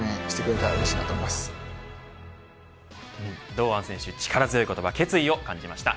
堂安選手、力強い言葉決意を感じました。